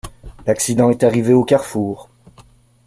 L’accident est arrivé au carrefour.